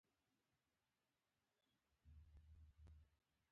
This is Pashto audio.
غرمه د دنننۍ خوښۍ ننداره ده